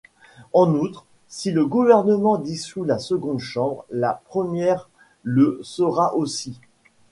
En outre, si le gouvernement dissout la seconde Chambre, la première le sera aussi.